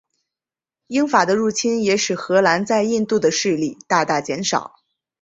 英法的入侵也使荷兰在印度的势力大大减少。